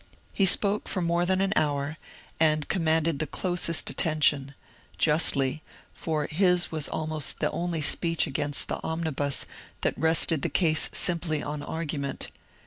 He spoke for more than an hour, and commanded the closest attention, — justly, for his was almost the only 82 MONCURE DANIEL CONWAY speech against the ^^ Omnibus " that rested the case simply on argument.